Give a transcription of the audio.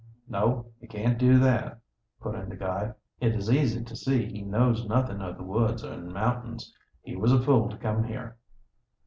"No, he can't do that," put in the guide. "It is easy to see he knows nothing of the woods and mountains. He was a fool to come here."